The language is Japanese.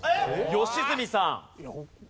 良純さん。